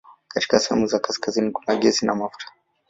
Katika sehemu za kaskazini kuna gesi na mafuta.